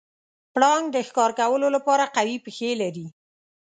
پړانګ د ښکار کولو لپاره قوي پښې لري.